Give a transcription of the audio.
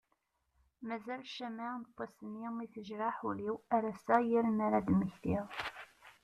Mazal ccama n wass-nni mi tejreḥ ul-iw ar ass-a yal mi ad d-mmektiɣ.